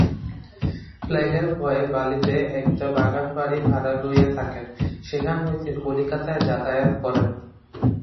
প্লেগের ভয়ে বালিতে একটি বাগানবাড়ি ভাড়া লইয়া থাকেন, সেখান হইতে কলিকাতায় যাতায়াত করেন।